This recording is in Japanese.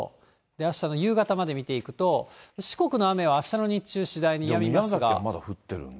あしたの夕方まで見ていくと、四国の雨はあしたの日中、宮崎はまだ降ってるんだ。